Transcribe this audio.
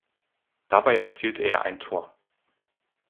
Dabei erzielte er ein Tor.